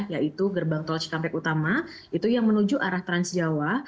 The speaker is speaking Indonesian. yaitu gerbang tol cikampek utama itu yang menuju arah transjawa